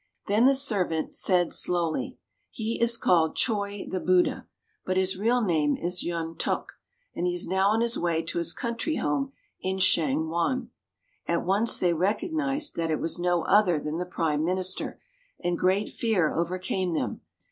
Then the servant said slowly, "He is called Choi the Buddha, but his real name is Yun tok, and he is now on his way to his country home in Chang won." At once they recognized that it was no other than the Prime Minister, and great fear overcame them.